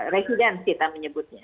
residen kita menyebutnya